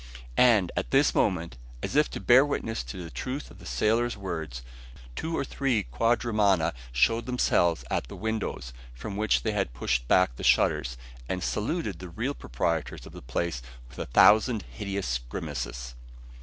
And, at this moment, as if to bear witness to the truth of the sailors words, two or three quadrumana showed themselves at the windows, from which they had pushed back the shutters, and saluted the real proprietors of the place with a thousand hideous grimaces.